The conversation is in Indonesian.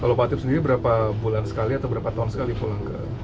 kalau pak tip sendiri berapa bulan sekali atau berapa tahun sekali pulang ke